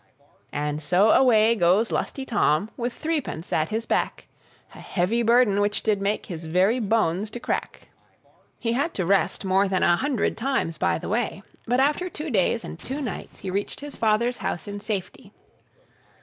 And so away goes lusty Tom, With three pence at his back A heavy burthen which did make His very bones to crack. He had to rest more than a hundred times by the way, but, after two days and two nights, he reached his father's house in safety.